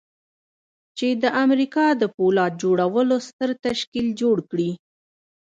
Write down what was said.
چې د امريکا د پولاد جوړولو ستر تشکيل جوړ کړي.